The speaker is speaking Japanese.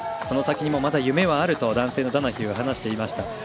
その先にもまだ夢はあると男性のダナヒューは話していました。